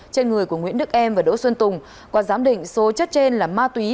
trên người của nguyễn đức em và đỗ xuân tùng qua giám định số chất trên là ma túy